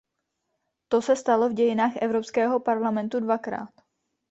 To se stalo v dějinách Evropského parlamentu dvakrát.